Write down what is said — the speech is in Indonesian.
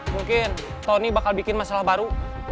mungkin tony bakal bikin masalah baru